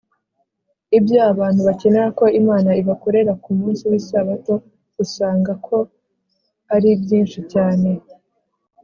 Ibyo abantu bakenera ko Imana ibakorera ku munsi w’Isabato usanga ko ari byinshi cyane